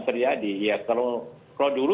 terjadi kalau dulu